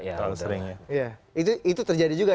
ya ya itu terjadi juga